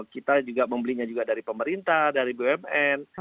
kita juga membelinya juga dari pemerintah dari bumn